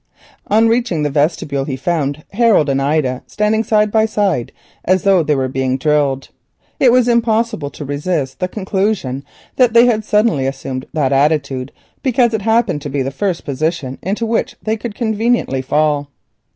On reaching the vestibule he found Harold and Ida standing side by side as though they were being drilled. It was impossible to resist the conclusion that they had suddenly assumed that attitude because it happened to be the first position into which they could conveniently fall.